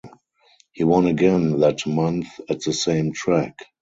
He won again that month at the same track.